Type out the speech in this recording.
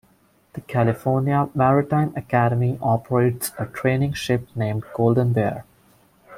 The California Maritime Academy operates a training ship named "Golden Bear".